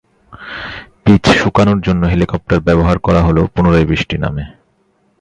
Pitch শুকানোর জন্য helicopter ব্যবহার করা হলেও পুনরায় বৃষ্টি নামে।